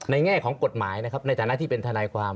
แง่ของกฎหมายนะครับในฐานะที่เป็นทนายความ